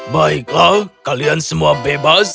baiklah kalian semua bebas